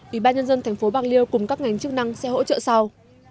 ủy ban nhân dân thành phố bạc liêu cùng các ngành chức năng sẽ hỗ trợ sau